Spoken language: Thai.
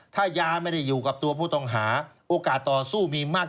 ถ้ายาไม่ได้อยู่กับตัวผู้ต้องหาโอกาสต่อสู้มีมาก